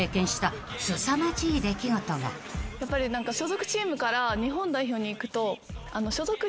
所属チームから日本代表に行くと。